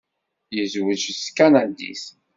Yezweǧ d tkanadit.